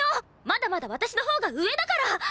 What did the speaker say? まだまだ私のほうが上だから！